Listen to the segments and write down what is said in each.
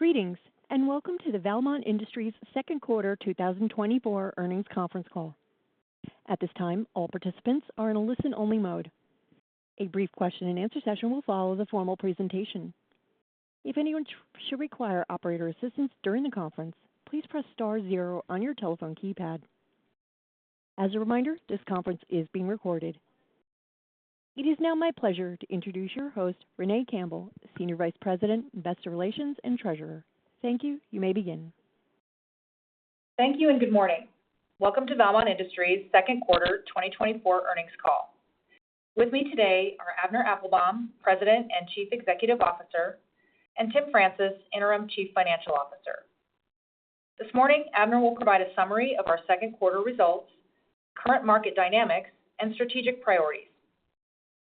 Greetings, and welcome to the Valmont Industries Q2 2024 Earnings Conference Call. At this time, all participants are in a listen-only mode. A brief question-and-answer session will follow the formal presentation. If anyone should require operator assistance during the conference, please press star zero on your telephone keypad. As a reminder, this conference is being recorded. It is now my pleasure to introduce your host, Renee Campbell, Senior Vice President, Investor Relations, and Treasurer. Thank you. You may begin. Thank you, and good morning. Welcome to Valmont Industries Q2 2024 Earnings Call. With me today are Avner Applbaum, President and Chief Executive Officer, and Tim Francis, Interim Chief Financial Officer. This morning, Avner will provide a summary of our Q2 results, current market dynamics, and strategic priorities.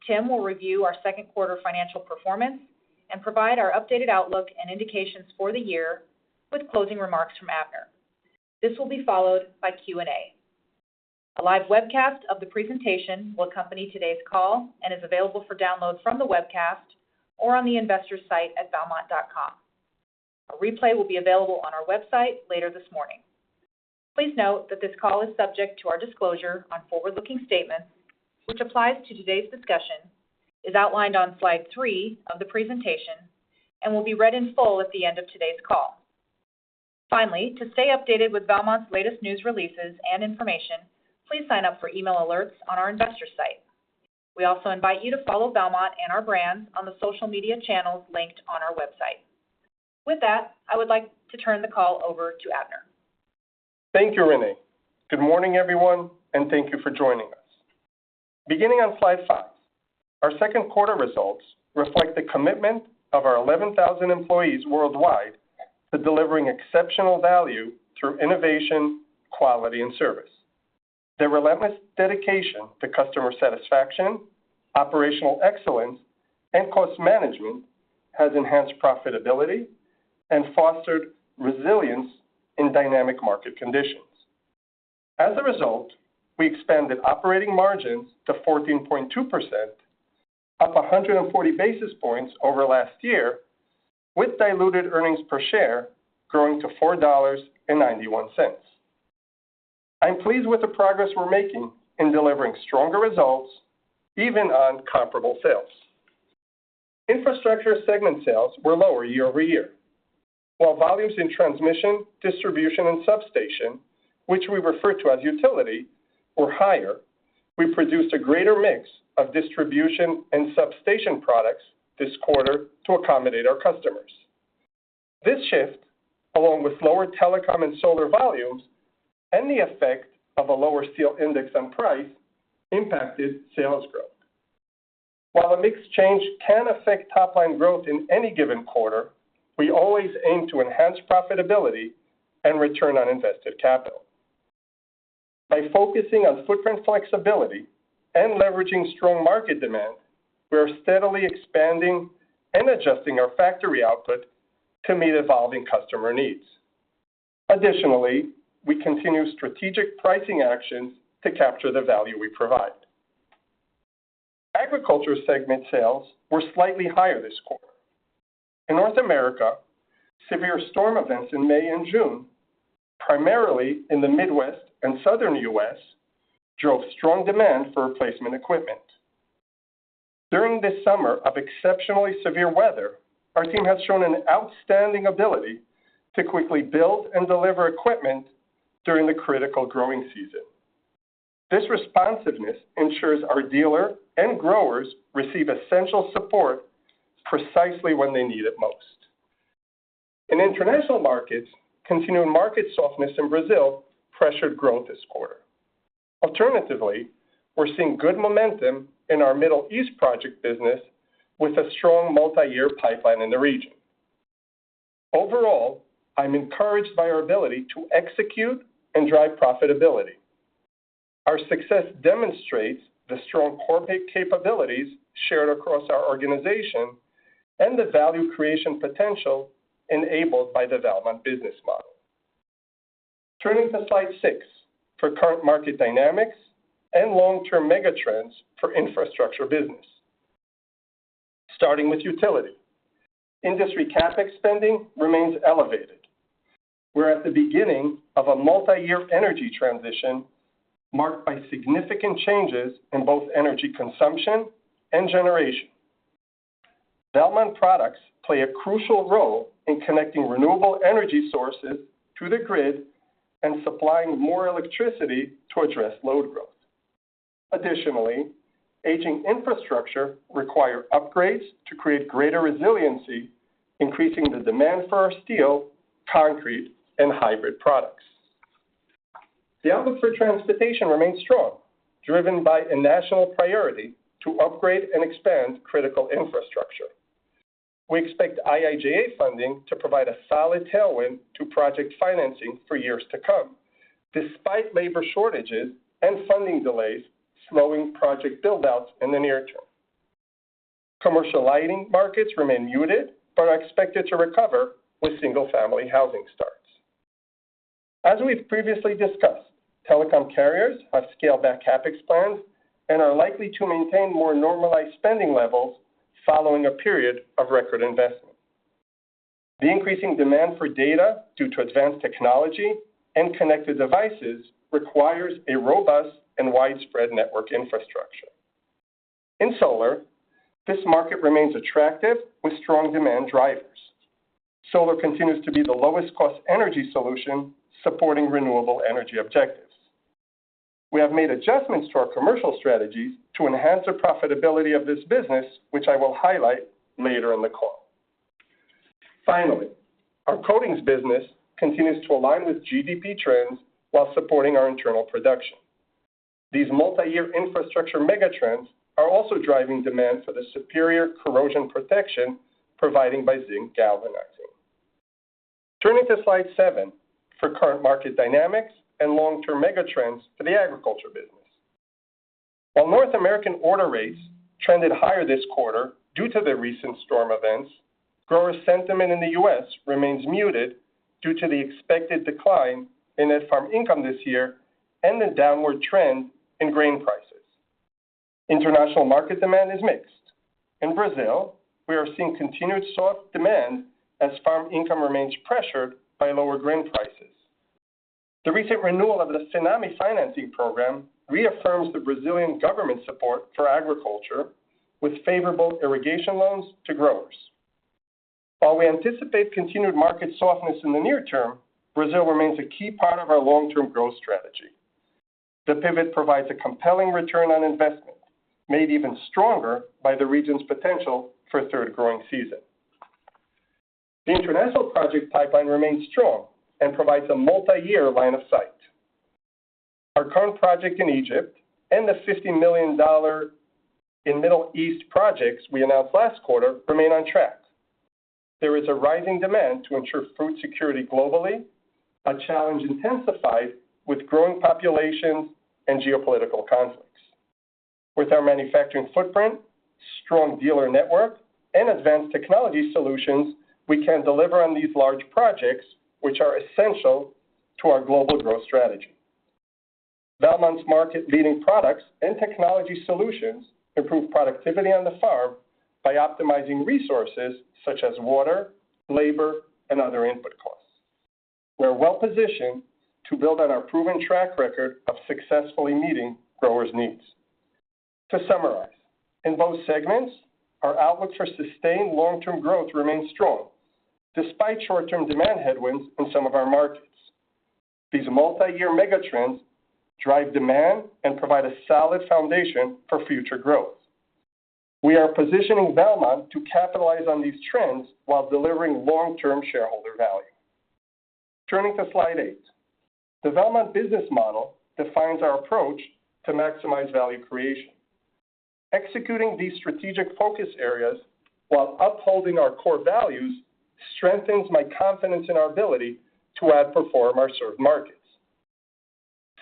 Tim will review our Q2 financial performance and provide our updated outlook and indications for the year with closing remarks from Avner. This will be followed by Q&A. A live webcast of the presentation will accompany today's call and is available for download from the webcast or on the investor site at valmont.com. A replay will be available on our website later this morning. Please note that this call is subject to our disclosure on forward-looking statements, which applies to today's discussion, is outlined on slide 3 of the presentation, and will be read in full at the end of today's call. Finally, to stay updated with Valmont's latest news releases and information, please sign up for email alerts on our investor site. We also invite you to follow Valmont and our brands on the social media channels linked on our website. With that, I would like to turn the call over to Avner. Thank you, Renee. Good morning, everyone, and thank you for joining us. Beginning on slide five, our Q2 results reflect the commitment of our 11,000 employees worldwide to delivering exceptional value through innovation, quality, and service. Their relentless dedication to customer satisfaction, operational excellence, and cost management has enhanced profitability and fostered resilience in dynamic market conditions. As a result, we expanded operating margins to 14.2%, up 140 basis points over last year, with diluted earnings per share growing to $4.91. I'm pleased with the progress we're making in delivering stronger results even on comparable sales. Infrastructure segment sales were lower year-over-year. While volumes in transmission, distribution, and substation, which we refer to as utility, were higher, we produced a greater mix of distribution and substation products this quarter to accommodate our customers. This shift, along with lower telecom and solar volumes and the effect of a lower steel index on price, impacted sales growth. While a mix change can affect top-line growth in any given quarter, we always aim to enhance profitability and return on invested capital. By focusing on footprint flexibility and leveraging strong market demand, we are steadily expanding and adjusting our factory output to meet evolving customer needs. Additionally, we continue strategic pricing actions to capture the value we provide. Agriculture segment sales were slightly higher this quarter. In North America, severe storm events in May and June, primarily in the Midwest and Southern US, drove strong demand for replacement equipment. During this summer of exceptionally severe weather, our team has shown an outstanding ability to quickly build and deliver equipment during the critical growing season. This responsiveness ensures our dealer and growers receive essential support precisely when they need it most. In international markets, continuing market softness in Brazil pressured growth this quarter. Alternatively, we're seeing good momentum in our Middle East project business with a strong multi-year pipeline in the region. Overall, I'm encouraged by our ability to execute and drive profitability. Our success demonstrates the strong corporate capabilities shared across our organization and the value creation potential enabled by the Valmont business model. Turning to slide 6 for current market dynamics and long-term mega trends for infrastructure business. Starting with utility, industry CapEx spending remains elevated. We're at the beginning of a multi-year energy transition marked by significant changes in both energy consumption and generation. Valmont products play a crucial role in connecting renewable energy sources to the grid and supplying more electricity to address load growth. Additionally, aging infrastructure requires upgrades to create greater resiliency, increasing the demand for our steel, concrete, and hybrid products. The outlook for transportation remains strong, driven by a national priority to upgrade and expand critical infrastructure. We expect IIJA funding to provide a solid tailwind to project financing for years to come, despite labor shortages and funding delays slowing project buildouts in the near term. Commercial lighting markets remain muted but are expected to recover with single-family housing starts. As we've previously discussed, telecom carriers have scaled back CapEx plans and are likely to maintain more normalized spending levels following a period of record investment. The increasing demand for data due to advanced technology and connected devices requires a robust and widespread network infrastructure. In solar, this market remains attractive with strong demand drivers. Solar continues to be the lowest-cost energy solution supporting renewable energy objectives. We have made adjustments to our commercial strategies to enhance the profitability of this business, which I will highlight later in the call. Finally, our coatings business continues to align with GDP trends while supporting our internal production. These multi-year infrastructure mega trends are also driving demand for the superior corrosion protection provided by zinc galvanizing. Turning to slide seven for current market dynamics and long-term mega trends for the agriculture business. While North American order rates trended higher this quarter due to the recent storm events, grower sentiment in the U.S. remains muted due to the expected decline in net farm income this year and the downward trend in grain prices. International market demand is mixed. In Brazil, we are seeing continued soft demand as farm income remains pressured by lower grain prices. The recent renewal of the FINAME financing program reaffirms the Brazilian government's support for agriculture with favorable irrigation loans to growers. While we anticipate continued market softness in the near term, Brazil remains a key part of our long-term growth strategy. The pivot provides a compelling return on investment, made even stronger by the region's potential for a third growing season. The international project pipeline remains strong and provides a multi-year line of sight. Our current project in Egypt and the $50 million in Middle East projects we announced last quarter remain on track. There is a rising demand to ensure food security globally, a challenge intensified with growing populations and geopolitical conflicts. With our manufacturing footprint, strong dealer network, and advanced technology solutions, we can deliver on these large projects, which are essential to our global growth strategy. Valmont's market-leading products and technology solutions improve productivity on the farm by optimizing resources such as water, labor, and other input costs. We're well-positioned to build on our proven track record of successfully meeting growers' needs. To summarize, in both segments, our outlook for sustained long-term growth remains strong despite short-term demand headwinds in some of our markets. These multi-year mega trends drive demand and provide a solid foundation for future growth. We are positioning Valmont to capitalize on these trends while delivering long-term shareholder value. Turning to slide eight, the Valmont business model defines our approach to maximize value creation. Executing these strategic focus areas while upholding our core values strengthens my confidence in our ability to outperform our served markets.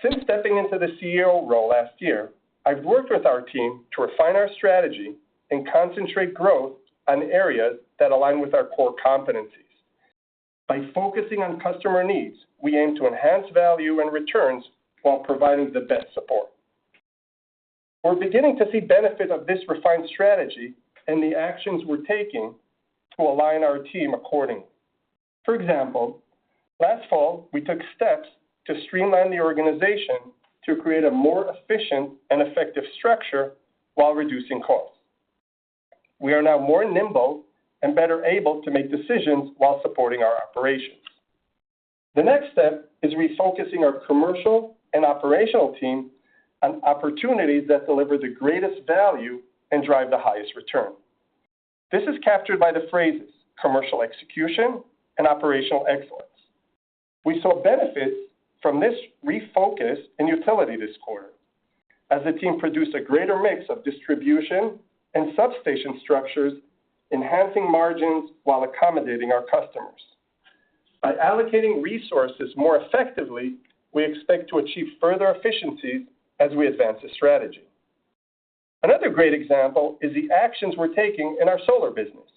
Since stepping into the CEO role last year, I've worked with our team to refine our strategy and concentrate growth on areas that align with our core competencies. By focusing on customer needs, we aim to enhance value and returns while providing the best support. We're beginning to see benefits of this refined strategy and the actions we're taking to align our team accordingly. For example, last fall, we took steps to streamline the organization to create a more efficient and effective structure while reducing costs. We are now more nimble and better able to make decisions while supporting our operations. The next step is refocusing our commercial and operational team on opportunities that deliver the greatest value and drive the highest return. This is captured by the phrases commercial execution and operational excellence. We saw benefits from this refocus in utility this quarter as the team produced a greater mix of distribution and substation structures, enhancing margins while accommodating our customers. By allocating resources more effectively, we expect to achieve further efficiencies as we advance the strategy. Another great example is the actions we're taking in our solar business.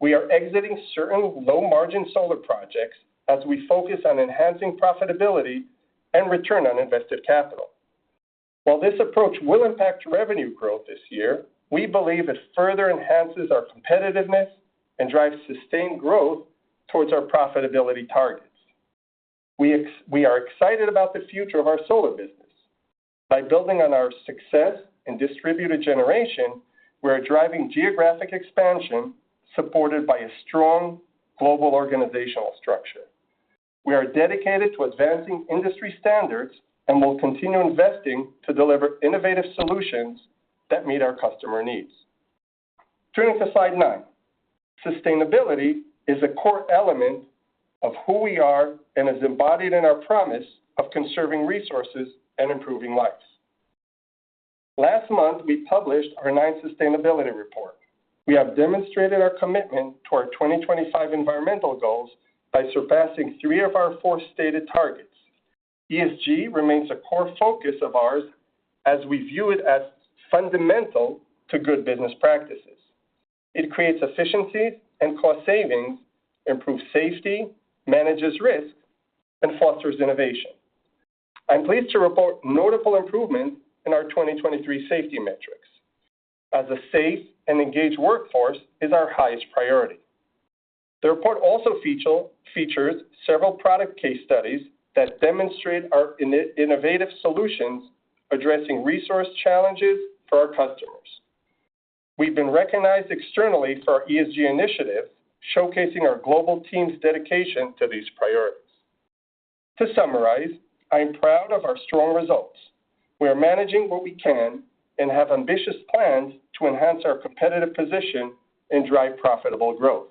We are exiting certain low-margin solar projects as we focus on enhancing profitability and return on invested capital. While this approach will impact revenue growth this year, we believe it further enhances our competitiveness and drives sustained growth towards our profitability targets. We are excited about the future of our solar business. By building on our success in distributed generation, we are driving geographic expansion supported by a strong global organizational structure. We are dedicated to advancing industry standards and will continue investing to deliver innovative solutions that meet our customer needs. Turning to slide 9, sustainability is a core element of who we are and is embodied in our promise of conserving resources and improving lives. Last month, we published our ninth sustainability report. We have demonstrated our commitment to our 2025 environmental goals by surpassing three of our four stated targets. ESG remains a core focus of ours as we view it as fundamental to good business practices. It creates efficiencies and cost savings, improves safety, manages risk, and fosters innovation. I'm pleased to report notable improvements in our 2023 safety metrics as a safe and engaged workforce is our highest priority. The report also features several product case studies that demonstrate our innovative solutions addressing resource challenges for our customers. We've been recognized externally for our ESG initiative, showcasing our global team's dedication to these priorities. To summarize, I'm proud of our strong results. We are managing what we can and have ambitious plans to enhance our competitive position and drive profitable growth.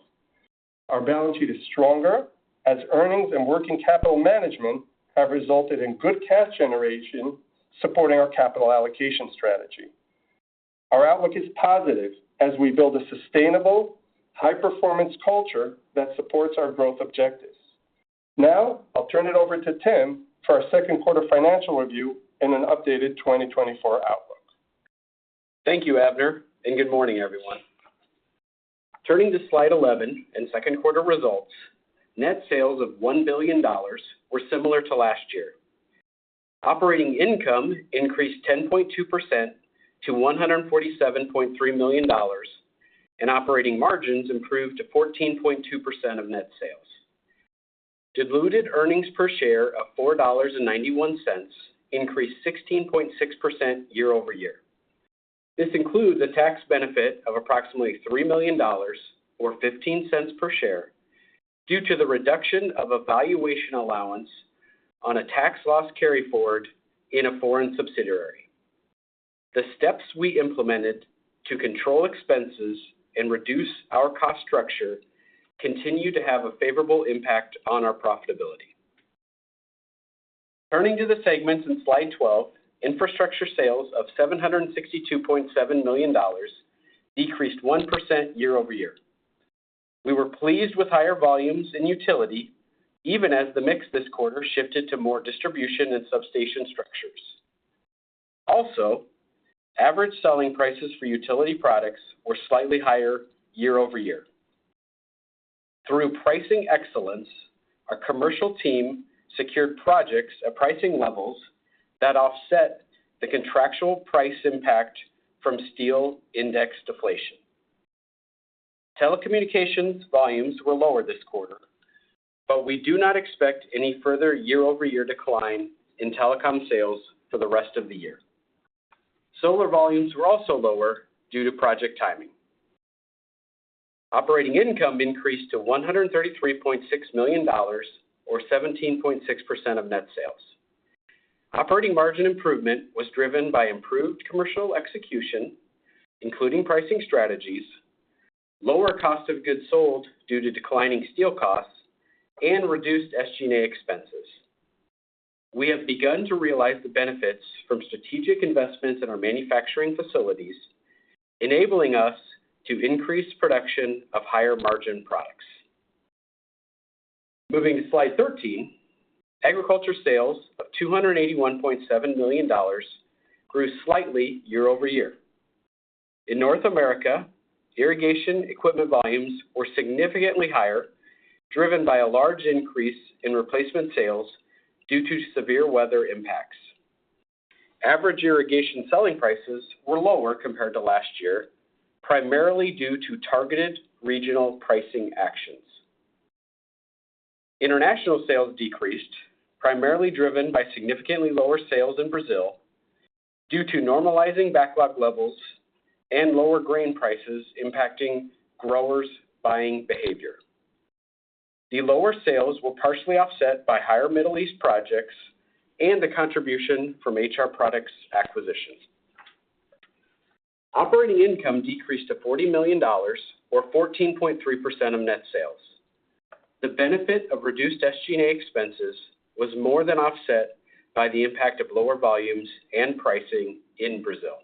Our balance sheet is stronger as earnings and working capital management have resulted in good cash generation supporting our capital allocation strategy. Our outlook is positive as we build a sustainable, high-performance culture that supports our growth objectives. Now, I'll turn it over to Tim for our Q2 financial review and an updated 2024 outlook. Thank you, Avner, and good morning, everyone. Turning to slide 11 and Q2 results, net sales of $1 billion were similar to last year. Operating income increased 10.2% to $147.3 million, and operating margins improved to 14.2% of net sales. Diluted earnings per share of $4.91 increased 16.6% year-over-year. This includes a tax benefit of approximately $3 million or $0.15 per share due to the reduction of a valuation allowance on a tax loss carry forward in a foreign subsidiary. The steps we implemented to control expenses and reduce our cost structure continue to have a favorable impact on our profitability. Turning to the segments in slide 12, infrastructure sales of $762.7 million decreased 1% year-over-year. We were pleased with higher volumes in utility even as the mix this quarter shifted to more distribution and substation structures. Also, average selling prices for utility products were slightly higher year-over-year. Through pricing excellence, our commercial team secured projects at pricing levels that offset the contractual price impact from steel index deflation. Telecommunications volumes were lower this quarter, but we do not expect any further year-over-year decline in telecom sales for the rest of the year. Solar volumes were also lower due to project timing. Operating income increased to $133.6 million or 17.6% of net sales. Operating margin improvement was driven by improved commercial execution, including pricing strategies, lower cost of goods sold due to declining steel costs, and reduced SG&A expenses. We have begun to realize the benefits from strategic investments in our manufacturing facilities, enabling us to increase production of higher margin products. Moving to slide 13, agriculture sales of $281.7 million grew slightly year-over-year. In North America, irrigation equipment volumes were significantly higher, driven by a large increase in replacement sales due to severe weather impacts. Average irrigation selling prices were lower compared to last year, primarily due to targeted regional pricing actions. International sales decreased, primarily driven by significantly lower sales in Brazil due to normalizing backlog levels and lower grain prices impacting growers' buying behavior. The lower sales were partially offset by higher Middle East projects and the contribution from HR Products acquisitions. Operating income decreased to $40 million or 14.3% of net sales. The benefit of reduced SG&A expenses was more than offset by the impact of lower volumes and pricing in Brazil.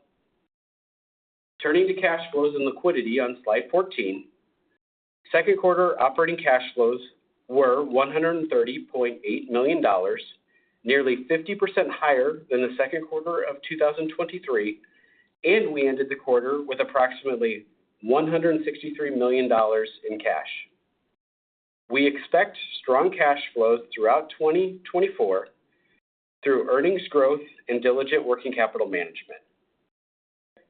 Turning to cash flows and liquidity on slide 14, Q2 operating cash flows were $130.8 million, nearly 50% higher than the Q2 of 2023, and we ended the quarter with approximately $163 million in cash. We expect strong cash flows throughout 2024 through earnings growth and diligent working capital management.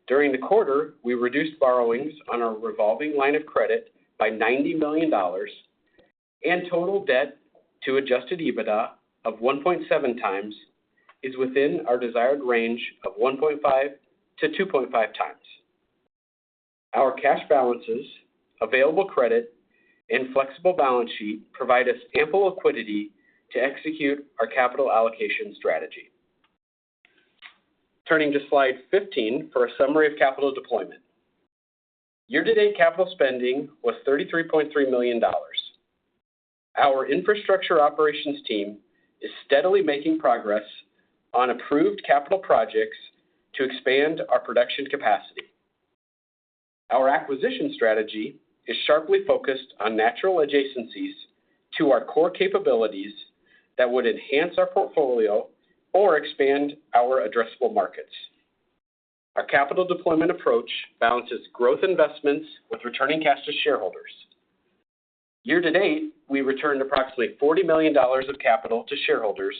During the quarter, we reduced borrowings on our revolving line of credit by $90 million, and total debt to adjusted EBITDA of 1.7 times is within our desired range of 1.5-2.5 times. Our cash balances, available credit, and flexible balance sheet provide us ample liquidity to execute our capital allocation strategy. Turning to slide 15 for a summary of capital deployment. Year-to-date capital spending was $33.3 million. Our infrastructure operations team is steadily making progress on approved capital projects to expand our production capacity. Our acquisition strategy is sharply focused on natural adjacencies to our core capabilities that would enhance our portfolio or expand our addressable markets. Our capital deployment approach balances growth investments with returning cash to shareholders. Year-to-date, we returned approximately $40 million of capital to shareholders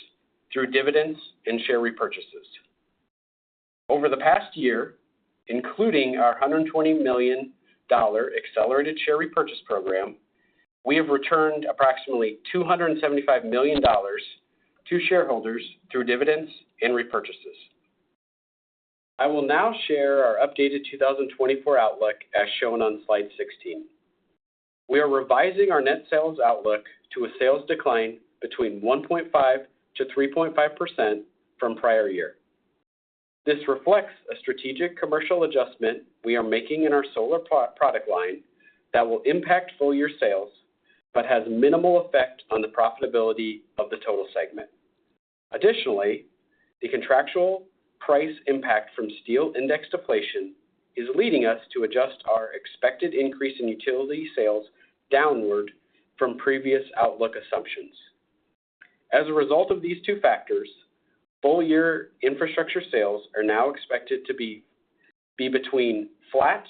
through dividends and share repurchases. Over the past year, including our $120 million accelerated share repurchase program, we have returned approximately $275 million to shareholders through dividends and repurchases. I will now share our updated 2024 outlook as shown on slide 16. We are revising our net sales outlook to a sales decline between 1.5%-3.5% from prior year. This reflects a strategic commercial adjustment we are making in our solar product line that will impact full-year sales but has minimal effect on the profitability of the total segment. Additionally, the contractual price impact from steel index deflation is leading us to adjust our expected increase in utility sales downward from previous outlook assumptions. As a result of these two factors, full-year infrastructure sales are now expected to be between flat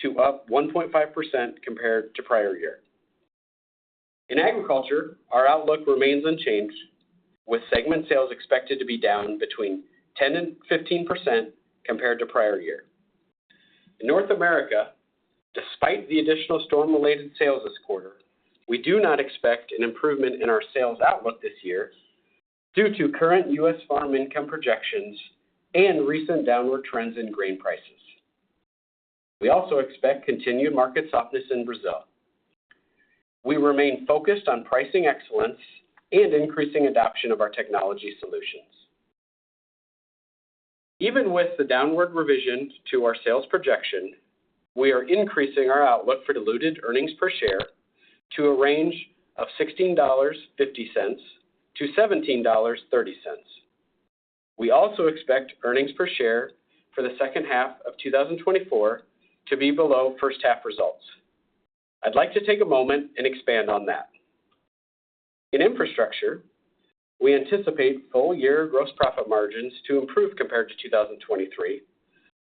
to up 1.5% compared to prior year. In agriculture, our outlook remains unchanged, with segment sales expected to be down 10%-15% compared to prior year. In North America, despite the additional storm-related sales this quarter, we do not expect an improvement in our sales outlook this year due to current U.S. farm income projections and recent downward trends in grain prices. We also expect continued market softness in Brazil. We remain focused on pricing excellence and increasing adoption of our technology solutions. Even with the downward revision to our sales projection, we are increasing our outlook for diluted earnings per share to a range of $16.50-$17.30. We also expect earnings per share for the second half of 2024 to be below first-half results. I'd like to take a moment and expand on that. In infrastructure, we anticipate full-year gross profit margins to improve compared to 2023,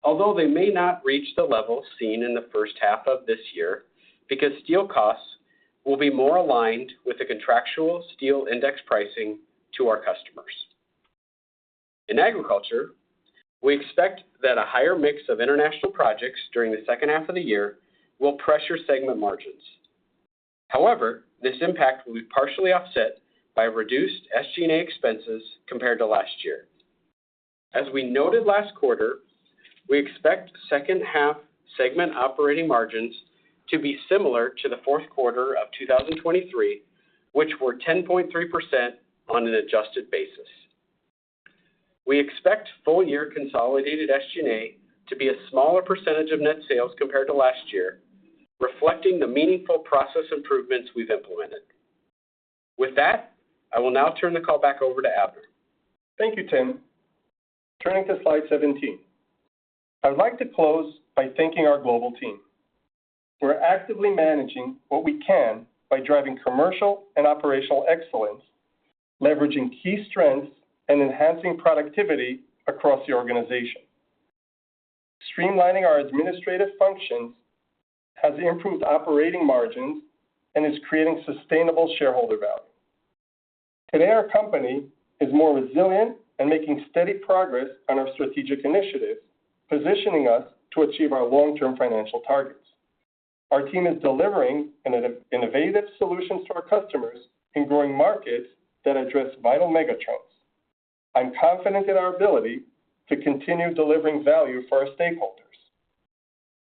although they may not reach the level seen in the first half of this year because steel costs will be more aligned with the contractual steel index pricing to our customers. In agriculture, we expect that a higher mix of international projects during the second half of the year will pressure segment margins. However, this impact will be partially offset by reduced SG&A expenses compared to last year. As we noted last quarter, we expect second-half segment operating margins to be similar to the Q4 of 2023, which were 10.3% on an adjusted basis. We expect full-year consolidated SG&A to be a smaller percentage of net sales compared to last year, reflecting the meaningful process improvements we've implemented. With that, I will now turn the call back over to Avner. Thank you, Tim. Turning to slide 17, I'd like to close by thanking our global team. We're actively managing what we can by driving commercial and operational excellence, leveraging key strengths, and enhancing productivity across the organization. Streamlining our administrative functions has improved operating margins and is creating sustainable shareholder value. Today, our company is more resilient and making steady progress on our strategic initiatives, positioning us to achieve our long-term financial targets. Our team is delivering innovative solutions to our customers in growing markets that address vital megatrends. I'm confident in our ability to continue delivering value for our stakeholders.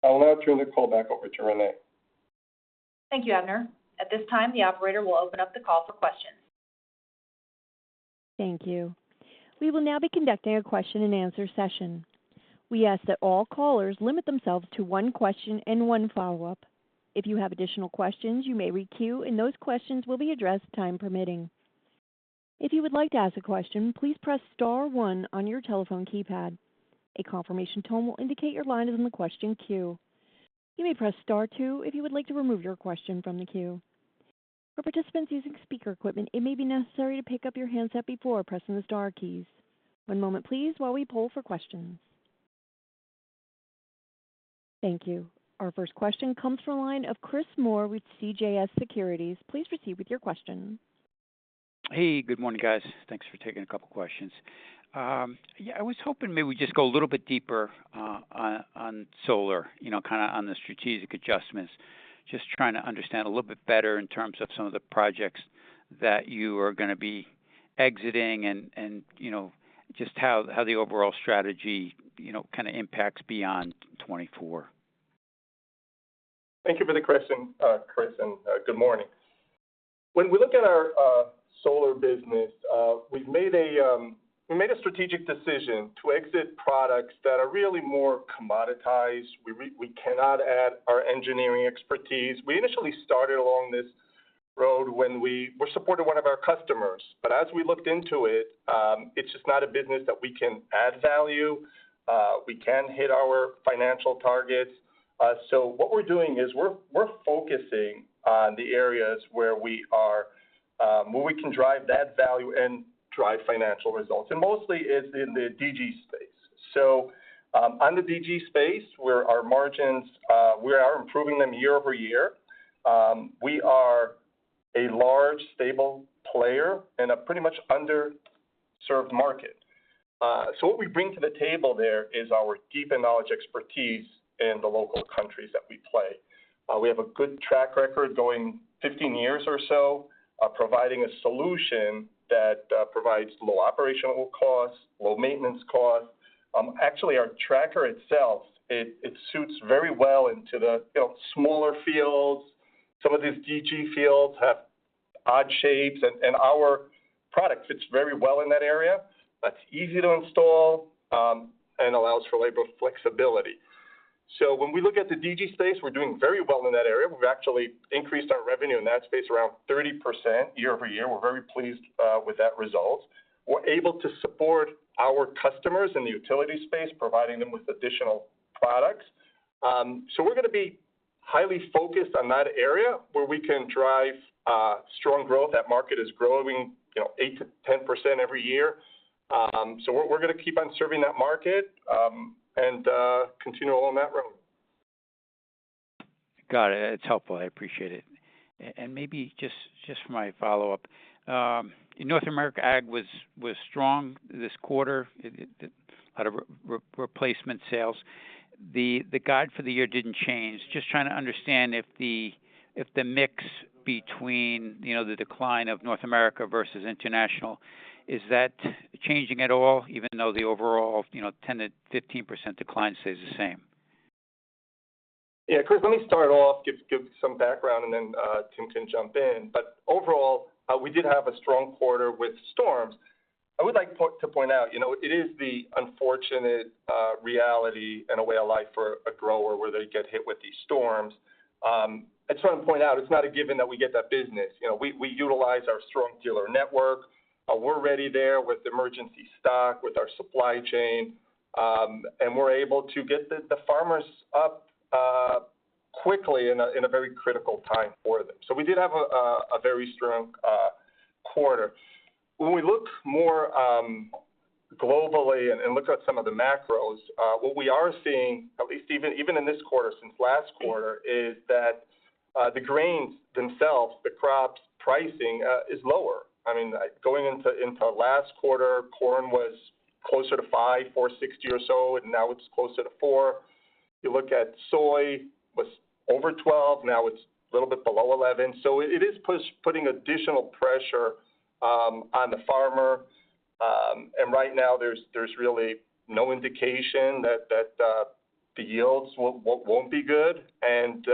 I'll now turn the call back over to Renee. Thank you, Avner. At this time, the operator will open up the call for questions. Thank you. We will now be conducting a question-and-answer session. We ask that all callers limit themselves to one question and one follow-up. If you have additional questions, you may re-queue, and those questions will be addressed time permitting. If you would like to ask a question, please press Star 1 on your telephone keypad. A confirmation tone will indicate your line is in the question queue. You may press Star 2 if you would like to remove your question from the queue. For participants using speaker equipment, it may be necessary to pick up your handset before pressing the Star keys. One moment, please, while we poll for questions. Thank you. Our first question comes from a line of Chris Moore with CJS Securities. Please proceed with your question. Hey, good morning, guys. Thanks for taking a couple of questions. Yeah, I was hoping maybe we'd just go a little bit deeper on solar, kind of on the strategic adjustments, just trying to understand a little bit better in terms of some of the projects that you are going to be exiting and just how the overall strategy kind of impacts beyond 2024. Thank you for the question, Chris, and good morning. When we look at our solar business, we've made a strategic decision to exit products that are really more commoditized. We cannot add our engineering expertise. We initially started along this road when we were supported by one of our customers. But as we looked into it, it's just not a business that we can add value. We can't hit our financial targets. So what we're doing is we're focusing on the areas where we can drive that value and drive financial results. And mostly, it's in the DG space. So on the DG space, we are improving them year-over-year. We are a large, stable player in a pretty much underserved market. So what we bring to the table there is our deep and knowledgeable expertise in the local countries that we play. We have a good track record going 15 years or so, providing a solution that provides low operational costs, low maintenance costs. Actually, our tracker itself, it suits very well into the smaller fields. Some of these DG fields have odd shapes, and our product fits very well in that area. That's easy to install and allows for labor flexibility. So when we look at the DG space, we're doing very well in that area. We've actually increased our revenue in that space around 30% year-over-year. We're very pleased with that result. We're able to support our customers in the utility space, providing them with additional products. So we're going to be highly focused on that area where we can drive strong growth. That market is growing 8%-10% every year. So we're going to keep on serving that market and continue along that road. Got it. That's helpful. I appreciate it. And maybe just for my follow-up, North America Ag was strong this quarter, a lot of replacement sales. The guide for the year didn't change. Just trying to understand if the mix between the decline of North America versus international is that changing at all, even though the overall 10%-15% decline stays the same? Yeah, Chris, let me start off, give some background, and then Tim can jump in. But overall, we did have a strong quarter with storms. I would like to point out it is the unfortunate reality and a way of life for a grower where they get hit with these storms. I just want to point out it's not a given that we get that business. We utilize our strong dealer network. We're ready there with emergency stock, with our supply chain, and we're able to get the farmers up quickly in a very critical time for them. So we did have a very strong quarter. When we look more globally and look at some of the macros, what we are seeing, at least even in this quarter since last quarter, is that the grains themselves, the crops pricing is lower. I mean, going into last quarter, corn was closer to $5.46 or so, and now it's closer to $4. You look at soy, it was over $12, now it's a little bit below $11. So it is putting additional pressure on the farmer. And right now, there's really no indication that the yields won't be good. And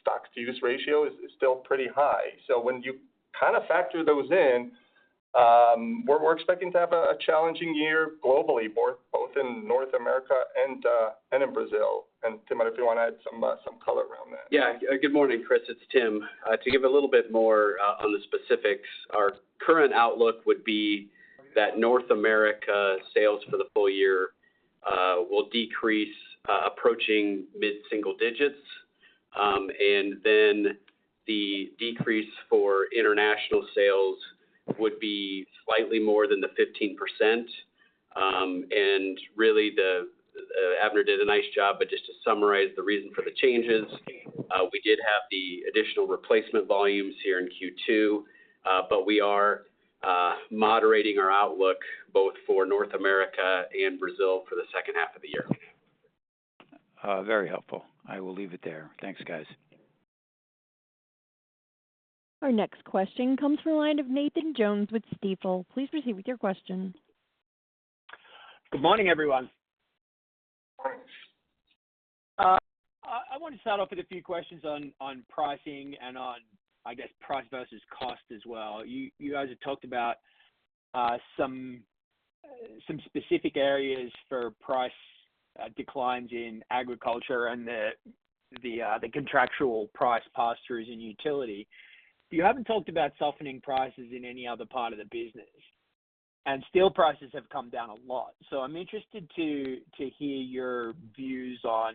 stock-to-use ratio is still pretty high. So when you kind of factor those in, we're expecting to have a challenging year globally, both in North America and in Brazil. And Tim, if you want to add some color around that. Yeah. Good morning, Chris. It's Tim. To give a little bit more on the specifics, our current outlook would be that North America sales for the full year will decrease approaching mid-single digits. Then the decrease for international sales would be slightly more than the 15%. Really, Avner did a nice job. But just to summarize the reason for the changes, we did have the additional replacement volumes here in Q2, but we are moderating our outlook both for North America and Brazil for the second half of the year. Very helpful. I will leave it there. Thanks, guys. Our next question comes from a line of Nathan Jones with Stifel. Please proceed with your question. Good morning, everyone. I want to start off with a few questions on pricing and on, I guess, price versus cost as well. You guys have talked about some specific areas for price declines in agriculture and the contractual price postures in utility. You haven't talked about softening prices in any other part of the business. And still, prices have come down a lot. So I'm interested to hear your views on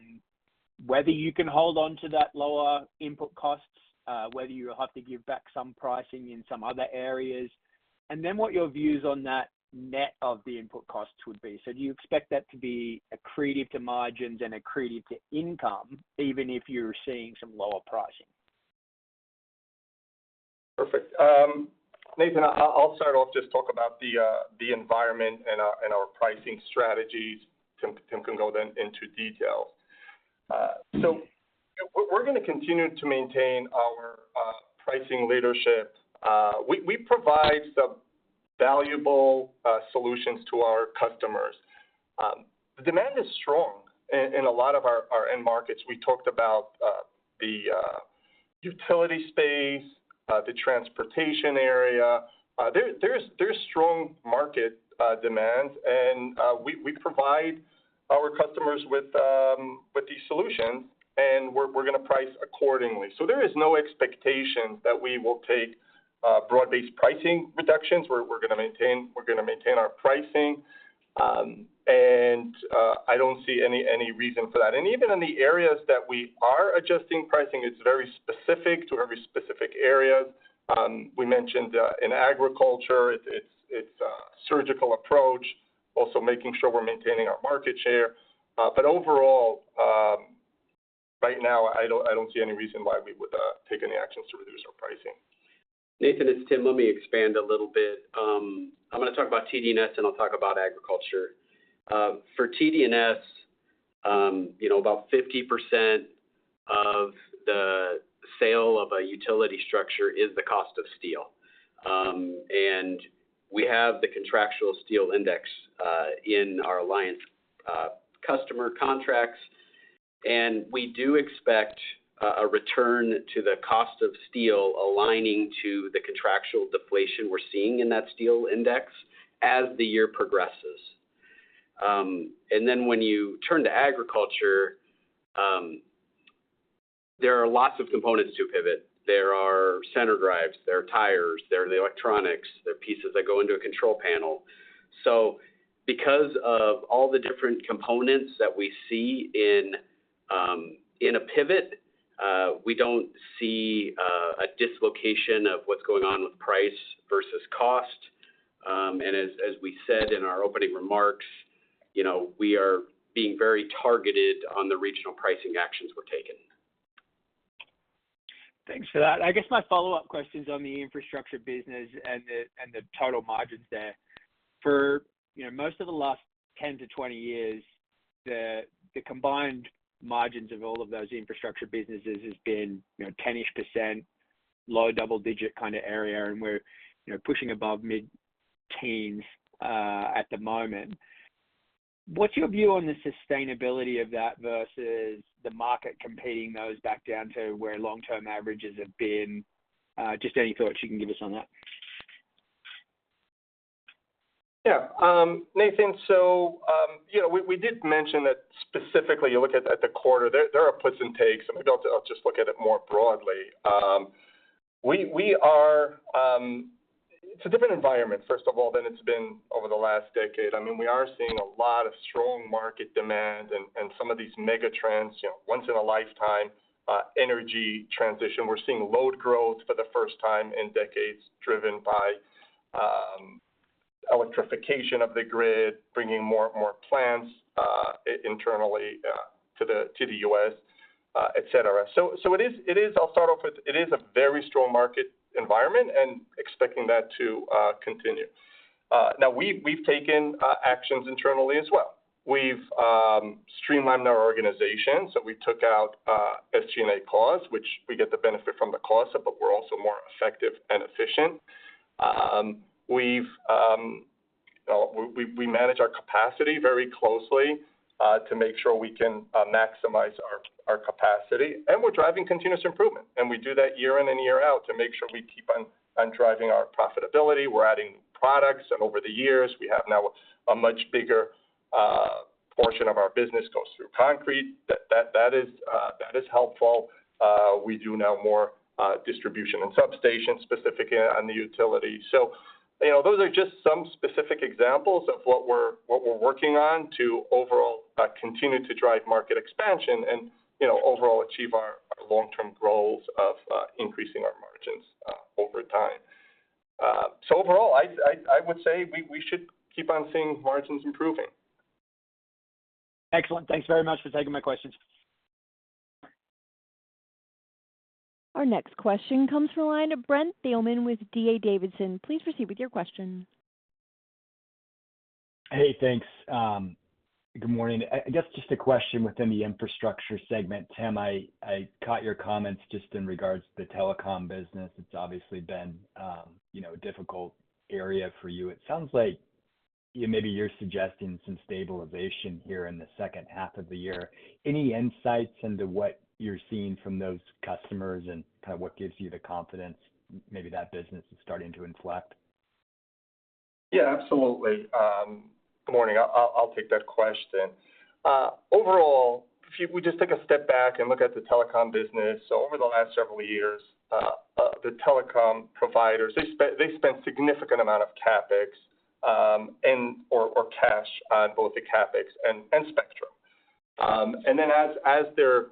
whether you can hold on to that lower input costs, whether you'll have to give back some pricing in some other areas, and then what your views on that net of the input costs would be. So do you expect that to be accretive to margins and accretive to income, even if you're seeing some lower pricing? Perfect. Nathan, I'll start off just talking about the environment and our pricing strategies. Tim can go then into details. So we're going to continue to maintain our pricing leadership. We provide some valuable solutions to our customers. The demand is strong in a lot of our end markets. We talked about the utility space, the transportation area. There's strong market demands, and we provide our customers with these solutions, and we're going to price accordingly. There is no expectation that we will take broad-based pricing reductions. We're going to maintain our pricing, and I don't see any reason for that. Even in the areas that we are adjusting pricing, it's very specific to every specific area. We mentioned in agriculture, it's a surgical approach, also making sure we're maintaining our market share. Overall, right now, I don't see any reason why we would take any actions to reduce our pricing. Nathan, it's Tim. Let me expand a little bit. I'm going to talk about TD&S, and I'll talk about agriculture. For TD&S, about 50% of the sale of a utility structure is the cost of steel. We have the contractual steel index in our alliance customer contracts. We do expect a return to the cost of steel aligning to the contractual deflation we're seeing in that steel index as the year progresses. Then when you turn to agriculture, there are lots of components to pivot. There are center drives, there are tires, there are the electronics, there are pieces that go into a control panel. So because of all the different components that we see in a pivot, we don't see a dislocation of what's going on with price versus cost. As we said in our opening remarks, we are being very targeted on the regional pricing actions we're taking. Thanks for that. I guess my follow-up question is on the infrastructure business and the total margins there. For most of the last 10-20 years, the combined margins of all of those infrastructure businesses has been 10%-ish, low double-digit kind of area, and we're pushing above mid-teens at the moment. What's your view on the sustainability of that versus the market competing those back down to where long-term averages have been? Just any thoughts you can give us on that. Yeah. Nathan, so we did mention that specifically you look at the quarter. There are puts and takes, and maybe I'll just look at it more broadly. It's a different environment, first of all, than it's been over the last decade. I mean, we are seeing a lot of strong market demand and some of these megatrends, once-in-a-lifetime energy transition. We're seeing load growth for the first time in decades driven by electrification of the grid, bringing more and more plants internally to the U.S., etc. So I'll start off with, it is a very strong market environment and expecting that to continue. Now, we've taken actions internally as well. We've streamlined our organization. So we took out SG&A costs, which we get the benefit from the cost of, but we're also more effective and efficient. We manage our capacity very closely to make sure we can maximize our capacity. And we're driving continuous improvement. And we do that year in and year out to make sure we keep on driving our profitability. We're adding products. And over the years, we have now a much bigger portion of our business goes through concrete. That is helpful. We do now more distribution and substation specifically on the utility. So those are just some specific examples of what we're working on to overall continue to drive market expansion and overall achieve our long-term goals of increasing our margins over time. So overall, I would say we should keep on seeing margins improving. Excellent. Thanks very much for taking my questions. Our next question comes from a line of Brent Thielman with D.A. Davidson. Please proceed with your question. Hey, thanks. Good morning. I guess just a question within the infrastructure segment. Tim, I caught your comments just in regards to the telecom business. It's obviously been a difficult area for you. It sounds like maybe you're suggesting some stabilization here in the second half of the year. Any insights into what you're seeing from those customers and kind of what gives you the confidence maybe that business is starting to inflect? Yeah, absolutely. Good morning. I'll take that question. Overall, if we just take a step back and look at the telecom business, so over the last several years, the telecom providers, they spent a significant amount of CapEx or cash on both the CapEx and spectrum. And then as they're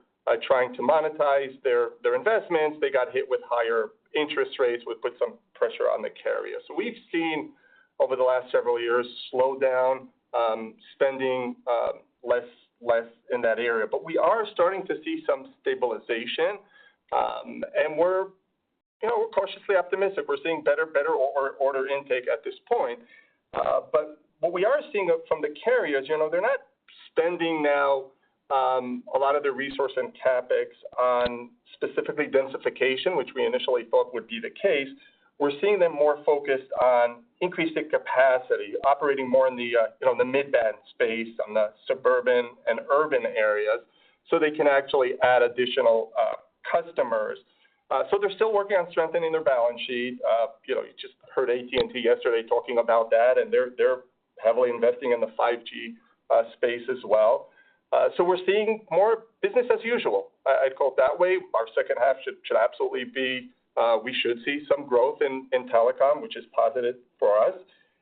trying to monetize their investments, they got hit with higher interest rates, which put some pressure on the carrier. So we've seen over the last several years slow down, spending less in that area. But we are starting to see some stabilization. And we're cautiously optimistic. We're seeing better order intake at this point. But what we are seeing from the carriers, they're not spending now a lot of their resource and CapEx on specifically densification, which we initially thought would be the case. We're seeing them more focused on increasing capacity, operating more in the mid-band space, on the suburban and urban areas, so they can actually add additional customers. So they're still working on strengthening their balance sheet. You just heard AT&T yesterday talking about that, and they're heavily investing in the 5G space as well. So we're seeing more business as usual. I'd call it that way. Our second half should absolutely be. We should see some growth in telecom, which is positive for us.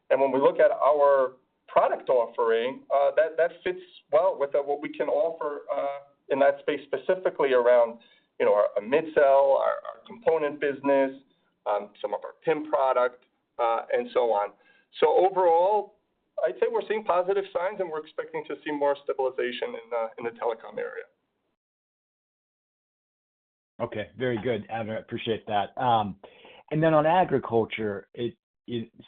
And when we look at our product offering, that fits well with what we can offer in that space, specifically around our mid-cell, our component business, some of our PIM product, and so on. So overall, I'd say we're seeing positive signs, and we're expecting to see more stabilization in the telecom area. Okay. Very good. Avner, I appreciate that. And then on agriculture, it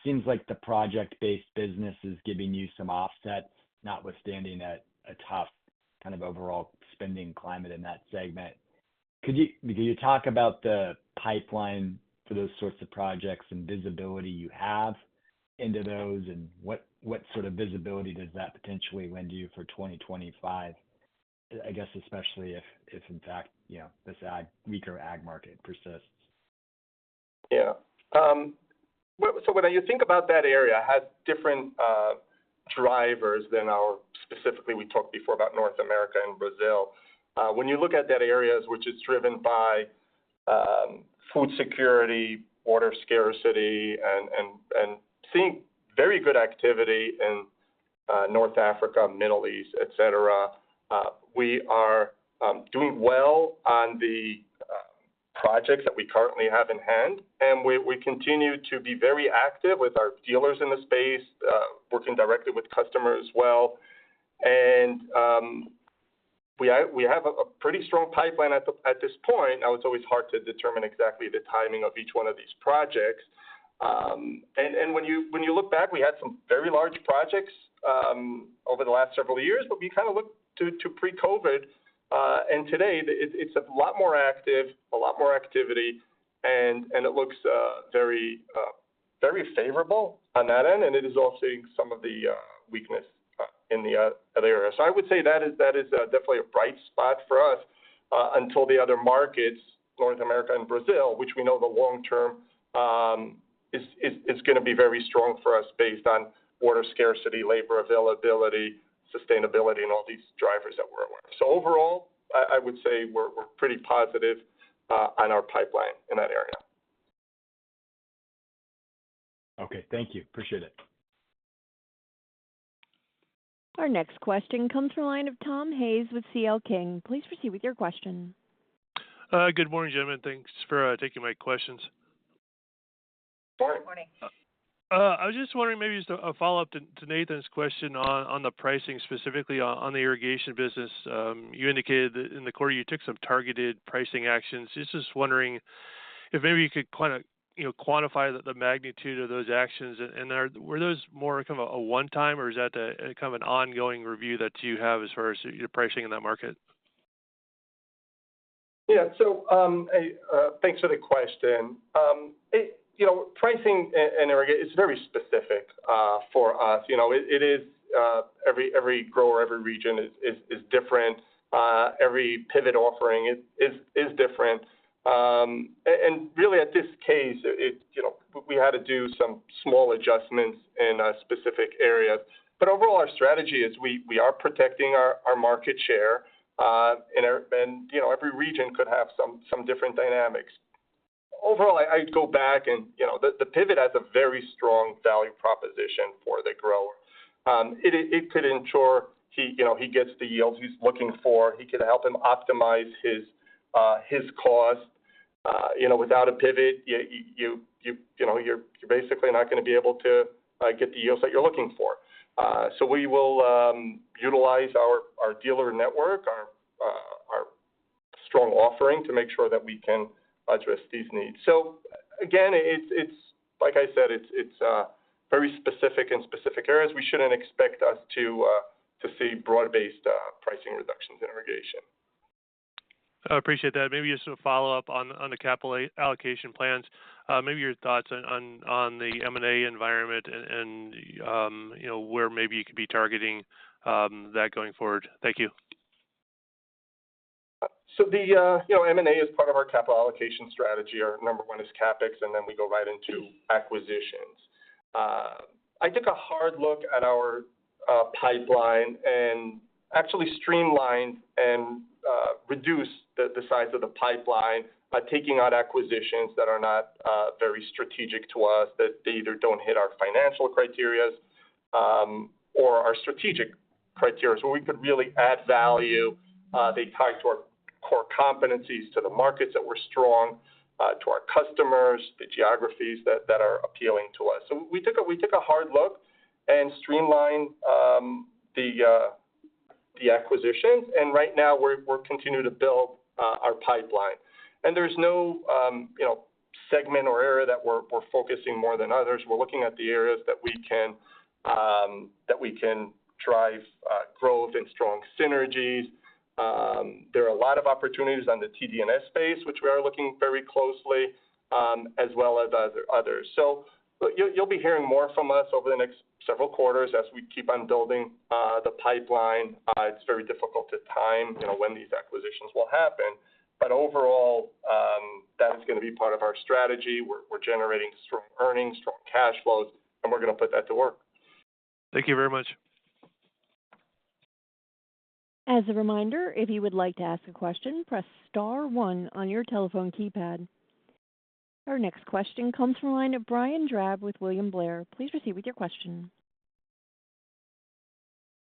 seems like the project-based business is giving you some offset, notwithstanding a tough kind of overall spending climate in that segment. Could you talk about the pipeline for those sorts of projects and visibility you have into those, and what sort of visibility does that potentially lend you for 2025, I guess, especially if, in fact, this weaker ag market persists? Yeah. So when you think about that area, it has different drivers than our specifically we talked before about North America and Brazil. When you look at that area, which is driven by food security, water scarcity, and seeing very good activity in North Africa, Middle East, etc., we are doing well on the projects that we currently have in hand. And we continue to be very active with our dealers in the space, working directly with customers as well. And we have a pretty strong pipeline at this point. Now, it's always hard to determine exactly the timing of each one of these projects. And when you look back, we had some very large projects over the last several years, but we kind of looked to pre-COVID. And today, it's a lot more active, a lot more activity, and it looks very favorable on that end. And it is offsetting some of the weakness in the other area. So I would say that is definitely a bright spot for us until the other markets, North America and Brazil, which we know the long term is going to be very strong for us based on water scarcity, labor availability, sustainability, and all these drivers that we're aware of. So overall, I would say we're pretty positive on our pipeline in that area. Okay. Thank you. Appreciate it. Our next question comes from a line of Tom Hayes with C.L. King. Please proceed with your question. Good morning, gentlemen. Thanks for taking my questions. Good morning. I was just wondering maybe just a follow-up to Nathan's question on the pricing, specifically on the irrigation business. You indicated that in the quarter, you took some targeted pricing actions. Just wondering if maybe you could kind of quantify the magnitude of those actions. And were those more kind of a one-time, or is that kind of an ongoing review that you have as far as your pricing in that market? Yeah. So thanks for the question. Pricing in irrigation is very specific for us. It is every grower, every region is different. Every pivot offering is different. And really, at this case, we had to do some small adjustments in specific areas. But overall, our strategy is we are protecting our market share. And every region could have some different dynamics. Overall, I'd go back and the pivot has a very strong value proposition for the grower. It could ensure he gets the yields he's looking for. He could help him optimize his cost. Without a pivot, you're basically not going to be able to get the yields that you're looking for. So we will utilize our dealer network, our strong offering to make sure that we can address these needs. So again, like I said, it's very specific in specific areas. We shouldn't expect us to see broad-based pricing reductions in irrigation. I appreciate that. Maybe just a follow-up on the capital allocation plans. Maybe your thoughts on the M&A environment and where maybe you could be targeting that going forward. Thank you. So the M&A is part of our capital allocation strategy. Our number one is CapEx, and then we go right into acquisitions. I took a hard look at our pipeline and actually streamlined and reduced the size of the pipeline by taking out acquisitions that are not very strategic to us, that either don't hit our financial criteria or our strategic criteria, where we could really add value. They tie to our core competencies, to the markets that we're strong, to our customers, the geographies that are appealing to us. We took a hard look and streamlined the acquisitions. Right now, we're continuing to build our pipeline. There's no segment or area that we're focusing more than others. We're looking at the areas that we can drive growth and strong synergies. There are a lot of opportunities on the TD&S space, which we are looking very closely, as well as others. So you'll be hearing more from us over the next several quarters as we keep on building the pipeline. It's very difficult to time when these acquisitions will happen. But overall, that is going to be part of our strategy. We're generating strong earnings, strong cash flows, and we're going to put that to work. Thank you very much. As a reminder, if you would like to ask a question, press star one on your telephone keypad. Our next question comes from a line of Brian Drab with William Blair. Please proceed with your question.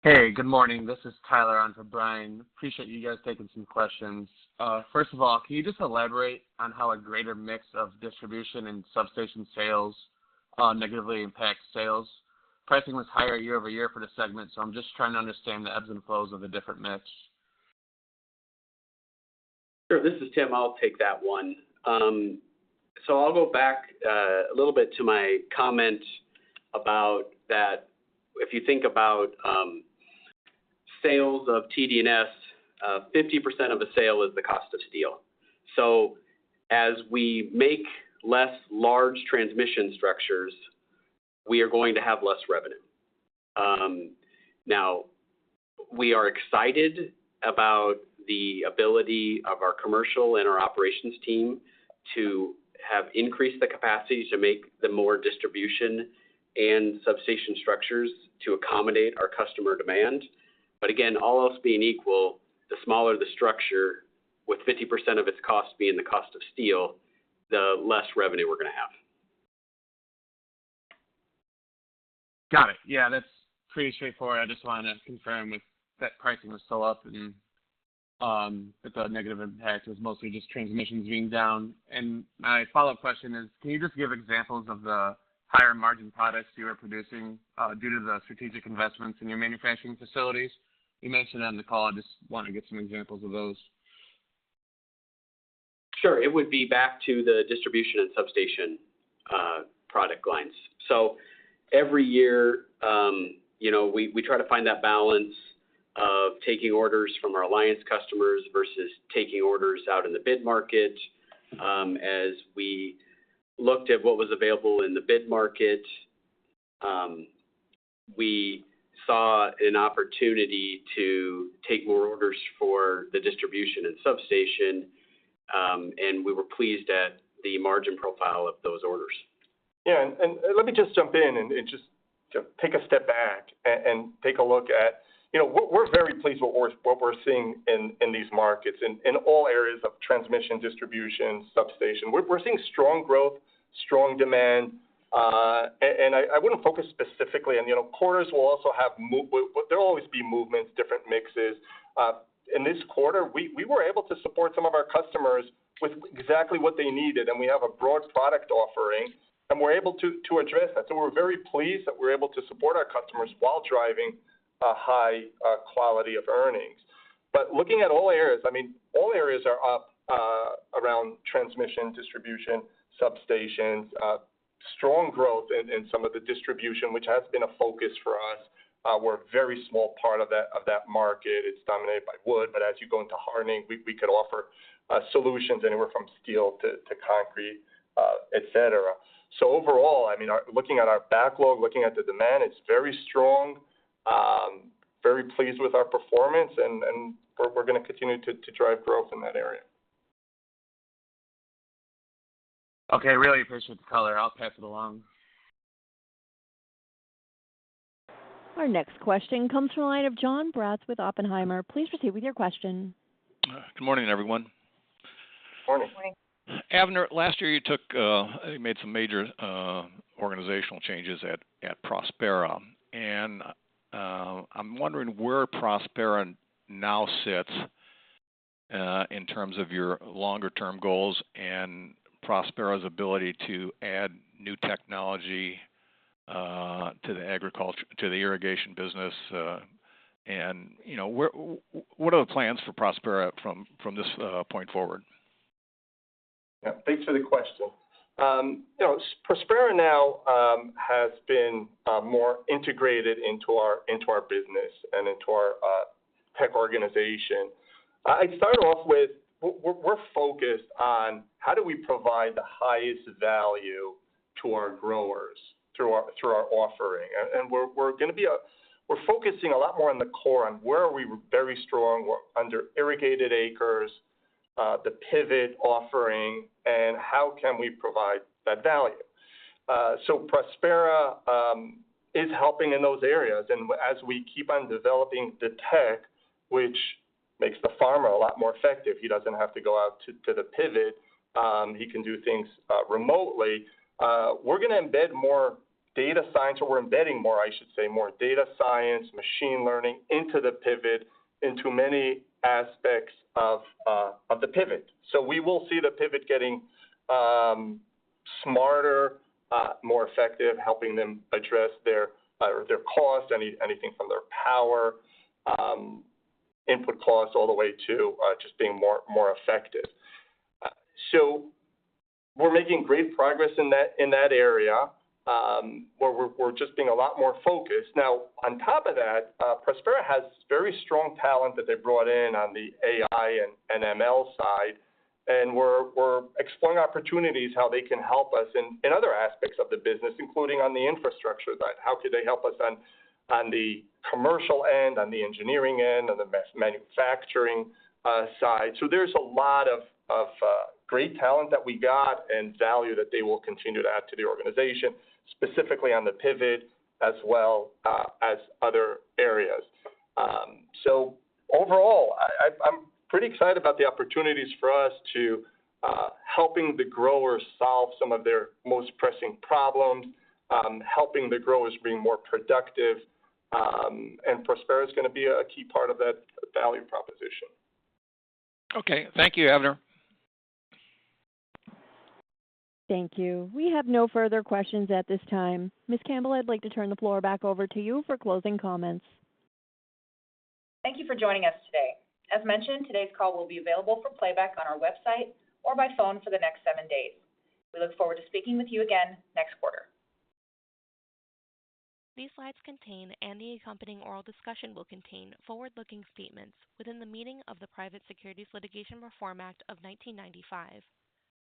Hey, good morning. This is Tyler on for Brian. Appreciate you guys taking some questions. First of all, can you just elaborate on how a greater mix of distribution and substation sales negatively impacts sales? Pricing was higher year-over-year for the segment, so I'm just trying to understand the ebbs and flows of the different mix. Sure. This is Tim. I'll take that one. So I'll go back a little bit to my comment about that. If you think about sales of TD&S, 50% of a sale is the cost of steel. So as we make less large transmission structures, we are going to have less revenue. Now, we are excited about the ability of our commercial and our operations team to have increased the capacity to make the more distribution and substation structures to accommodate our customer demand. But again, all else being equal, the smaller the structure, with 50% of its cost being the cost of steel, the less revenue we're going to have. Got it. Yeah, that's pretty straightforward. I just wanted to confirm that pricing was still up and that the negative impact was mostly just transmissions being down. My follow-up question is, can you just give examples of the higher margin products you are producing due to the strategic investments in your manufacturing facilities? You mentioned on the call; I just want to get some examples of those. Sure. It would be back to the distribution and substation product lines. So every year, we try to find that balance of taking orders from our alliance customers versus taking orders out in the bid market. As we looked at what was available in the bid market, we saw an opportunity to take more orders for the distribution and substation, and we were pleased at the margin profile of those orders. Yeah. Let me just jump in and just take a step back and take a look at; we're very pleased with what we're seeing in these markets in all areas of transmission, distribution, substation. We're seeing strong growth, strong demand. I wouldn't focus specifically on quarters; we'll also have; there'll always be movements, different mixes. In this quarter, we were able to support some of our customers with exactly what they needed, and we have a broad product offering, and we're able to address that. We're very pleased that we're able to support our customers while driving a high quality of earnings. Looking at all areas, I mean, all areas are up around transmission, distribution, substations, strong growth in some of the distribution, which has been a focus for us. We're a very small part of that market. It's dominated by wood, but as you go into hardening, we could offer solutions anywhere from steel to concrete, etc. So overall, I mean, looking at our backlog, looking at the demand, it's very strong. Very pleased with our performance, and we're going to continue to drive growth in that area. Okay. Really appreciate the color. I'll pass it along. Our next question comes from a line of Jonathan Braatz with Oppenheimer. Please proceed with your question. Good morning, everyone. Good morning. Good morning. Avner, last year, you made some major organizational changes at Prospera. And I'm wondering where Prospera now sits in terms of your longer-term goals and Prospera's ability to add new technology to the irrigation business. And what are the plans for Prospera from this point forward? Yeah. Thanks for the question. Prospera now has been more integrated into our business and into our tech organization. I'd start off with, we're focused on how do we provide the highest value to our growers through our offering. And we're going to be focusing a lot more on the core on where are we very strong, under irrigated acres, the pivot offering, and how can we provide that value. So Prospera is helping in those areas. And as we keep on developing the tech, which makes the farmer a lot more effective, he doesn't have to go out to the pivot. He can do things remotely. We're going to embed more data science, or we're embedding more, I should say, more data science, machine learning into the pivot, into many aspects of the pivot. So we will see the pivot getting smarter, more effective, helping them address their cost, anything from their power, input costs, all the way to just being more effective. So we're making great progress in that area where we're just being a lot more focused. Now, on top of that, Prospera has very strong talent that they brought in on the AI and ML side. And we're exploring opportunities how they can help us in other aspects of the business, including on the infrastructure side. How could they help us on the commercial end, on the engineering end, on the manufacturing side? So there's a lot of great talent that we got and value that they will continue to add to the organization, specifically on the pivot as well as other areas. So overall, I'm pretty excited about the opportunities for us to help the growers solve some of their most pressing problems, helping the growers be more productive. And Prospera is going to be a key part of that value proposition. Okay. Thank you, Avner. Thank you. We have no further questions at this time. Ms. Campbell, I'd like to turn the floor back over to you for closing comments. Thank you for joining us today. As mentioned, today's call will be available for playback on our website or by phone for the next seven days. We look forward to speaking with you again next quarter. These slides contain and the accompanying oral discussion will contain forward-looking statements within the meaning of the Private Securities Litigation Reform Act of 1995.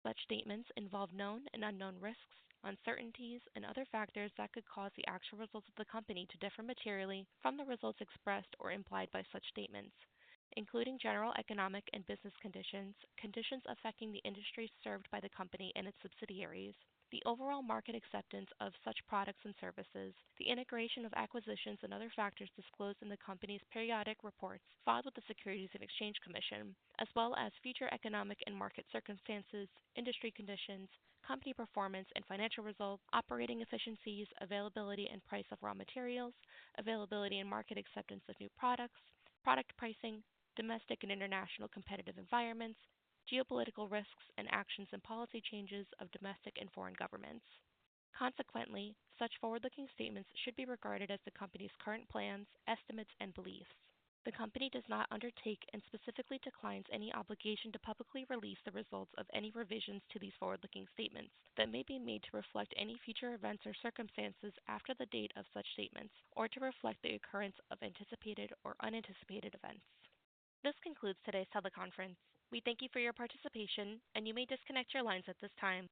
Such statements involve known and unknown risks, uncertainties, and other factors that could cause the actual results of the company to differ materially from the results expressed or implied by such statements, including general economic and business conditions, conditions affecting the industry served by the company and its subsidiaries, the overall market acceptance of such products and services, the integration of acquisitions and other factors disclosed in the company's periodic reports filed with the Securities and Exchange Commission, as well as future economic and market circumstances, industry conditions, company performance and financial results, operating efficiencies, availability and price of raw materials, availability and market acceptance of new products, product pricing, domestic and international competitive environments, geopolitical risks, and actions and policy changes of domestic and foreign governments. Consequently, such forward-looking statements should be regarded as the company's current plans, estimates, and beliefs. The company does not undertake and specifically declines any obligation to publicly release the results of any revisions to these forward-looking statements that may be made to reflect any future events or circumstances after the date of such statements or to reflect the occurrence of anticipated or unanticipated events. This concludes today's teleconference. We thank you for your participation, and you may disconnect your lines at this time.